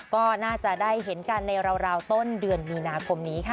ก็น่าจะได้เห็นกันในราวต้นเดือนมีนาคมนี้ค่ะ